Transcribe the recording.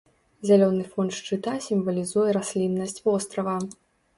Зялёны фон шчыта сімвалізуе расліннасць вострава.